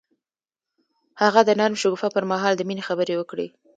هغه د نرم شګوفه پر مهال د مینې خبرې وکړې.